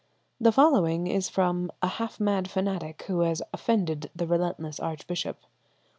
The following is from a half mad fanatic who has offended the relentless archbishop.